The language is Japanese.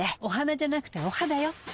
お花じゃなくてお肌よ。